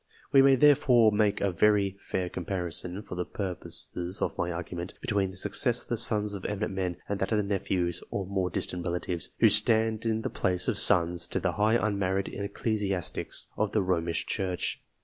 We may therefore make a very fair comparison, for the purposes of my argument, between the success of the sons of eminent men and that of the nephews or more distant relatives, who stand in the place of sons to the high unmarried ecclesiastics of the Romish Church.